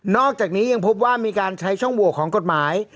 อกจากนี้ยังพบว่ามีการใช้ช่องโหวกของกฎหมาย